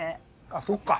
あっそっか。